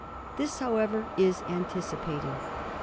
This, how ever, is anticipating.